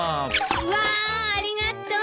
わありがとう！